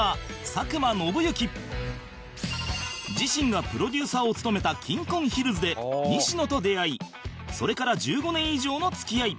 自身がプロデューサーを務めた『キンコンヒルズ』で西野と出会いそれから１５年以上の付き合い